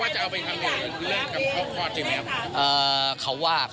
จริงสินค้า